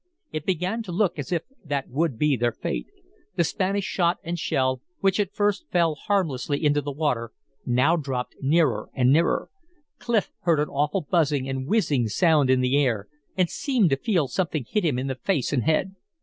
It began to look as if that would be their fate. The Spanish shot and shell, which at first fell harmlessly into the water, now dropped nearer and nearer. Clif heard an awful buzzing and whizzing sound in the air, and seemed to feel something hit him in the face and head.